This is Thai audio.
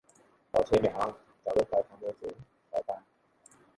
ปอร์เช่ไม่เอา จะเอารถไฟความเร็วสูง ขอตัน